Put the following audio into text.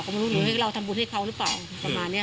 ก็ไม่รู้เราทำบุญให้เขาหรือเปล่าประมาณนี้